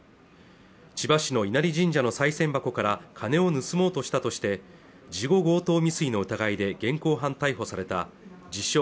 千葉市の稲荷神社のさい銭箱から金を盗もうとしたとして事後強盗未遂の疑いで現行犯逮捕された自称